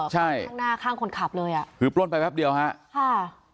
ใช่ข้างหน้าข้างคนขับเลยอ่ะคือปล้นไปแป๊บเดียวฮะค่ะ